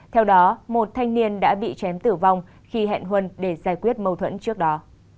theo đó một thanh niên đã bị chém tử vong khi hẹn huân để giải quyết mâu thuẫn trước đó